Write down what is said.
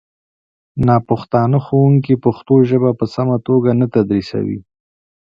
ناپښتانه ښوونکي پښتو ژبه په سمه توګه نه تدریسوي